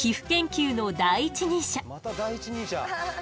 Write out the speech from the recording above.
また第一人者。